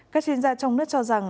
các chuyên gia trong nước cho rằng